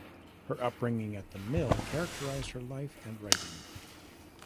Her upbringing at the mill characterized her life and writing.